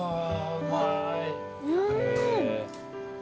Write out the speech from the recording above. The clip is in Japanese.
うまいね。